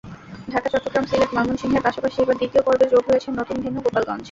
ঢাকা, চট্টগ্রাম, সিলেট, ময়মনসিংহের পাশাপাশি এবার দ্বিতীয় পর্বে যোগ হয়েছে নতুন ভেন্যু—গোপালগঞ্জ।